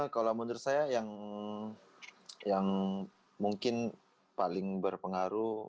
kalau menurut saya yang mungkin paling berpengaruh